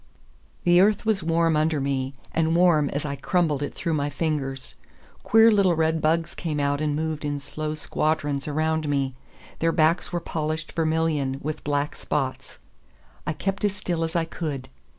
The earth was warm under me, and warm as I crumbled it through my fingers. Queer little red bugs came out and moved in slow squadrons around me. Their backs were polished vermilion, with black spots. I kept as still as I could.